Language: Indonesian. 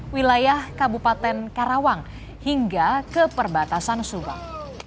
wilayah kabupaten karawang hingga ke perbatasan subang